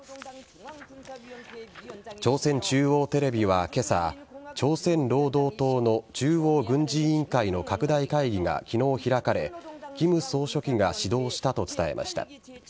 朝鮮中央テレビは今朝朝鮮労働党の中央軍事委員会の拡大会議が昨日開かれ金総書記が指導したと伝えました。